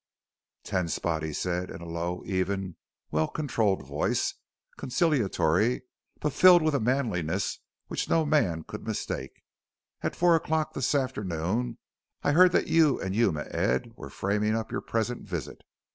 "Ten Spot," he said in a low, even, well controlled voice, conciliatory, but filled with a manliness which no man could mistake, "at four o'clock this afternoon I heard that you and Yuma Ed were framing up your present visit.